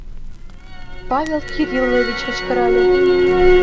— Павел Кириллович кычкырале.